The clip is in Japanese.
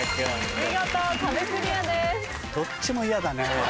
見事壁クリアです。